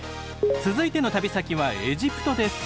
続いての旅先はエジプトです。